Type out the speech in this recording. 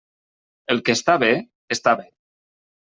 El que està bé, està bé.